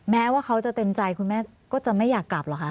แม้ว่าเขาจะเต็มใจคุณแม่ก็จะไม่อยากกลับเหรอคะ